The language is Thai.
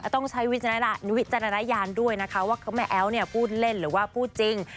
ต้องใช้วิจารณญาณด้วยนะคะว่าแม่แอ๊วพูดเล่นหรือว่าพูดจริง